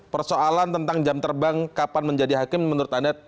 persoalan tentang jam terbang kapan menjadi hakim menurut anda